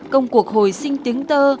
công cuộc hồi sinh tiếng tơ